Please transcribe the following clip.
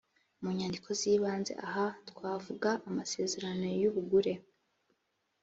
mu nyandiko z’ibanze aha twavuga amasezerano y’ubugure